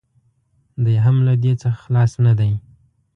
دی هم له دې څخه خلاص نه دی.